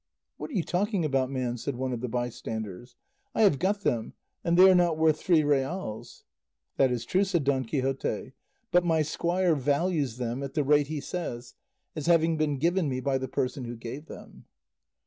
"What are you talking about, man?" said one of the bystanders; "I have got them, and they are not worth three reals." "That is true," said Don Quixote; "but my squire values them at the rate he says, as having been given me by the person who gave them."